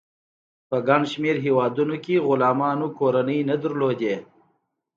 په ګڼ شمیر هیوادونو کې غلامانو کورنۍ نه درلودې.